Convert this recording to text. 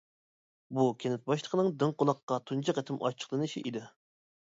بۇ كەنت باشلىقىنىڭ دىڭ قۇلاققا تۇنجى قېتىم ئاچچىقلىنىشى ئىدى.